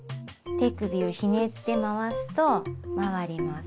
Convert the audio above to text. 手首をひねって回すと回ります。